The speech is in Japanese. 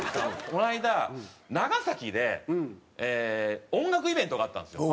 この間長崎で音楽イベントがあったんですよ。